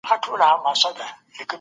ګیدړه🦊